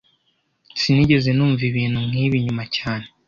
Sinigeze numva ibintu nk'ibi nyuma cyane